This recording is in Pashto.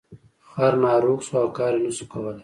خر ناروغ شو او کار یې نشو کولی.